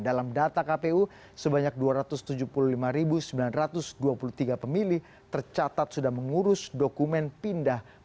dalam data kpu sebanyak dua ratus tujuh puluh lima sembilan ratus dua puluh tiga pemilih tercatat sudah mengurus dokumen pindah